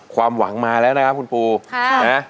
ความหวังมาแล้วนะครับคุณปูนะ